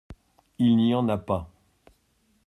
Il n’y en a pas !